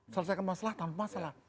selesaikan masalah tanpa masalah